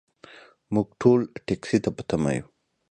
موږ ټول ټکسي ته په تمه یو .